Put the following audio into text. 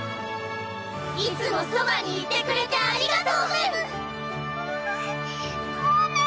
いつもそばにいてくれてありがとうコメ！